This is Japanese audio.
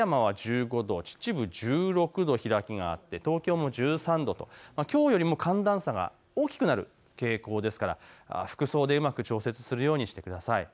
館山は１５度、秩父１６度、開きがあって東京も１３度ときょうよりも寒暖差が大きくなる傾向ですから、服装でうまく調節するようにしてください。